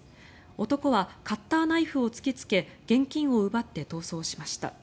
男はカッターナイフを突きつけ現金を奪って逃走しました。